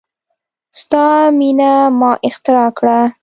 ستا میینه ما اختراع کړه